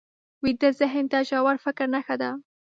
ویده ذهن د ژور فکر نښه ده